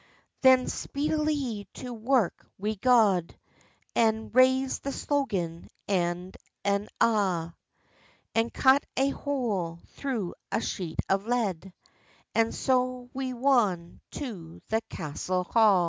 Then speedilie to wark we gaed, And raised the slogan ane and a', And cut a hole through a sheet of lead, And so we wan to the castel ha.